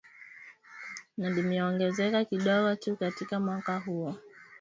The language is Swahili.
na limeongezeka kidogo tu katika mwaka huo, na kuiacha nchi hiyo chini ya mapato ya chini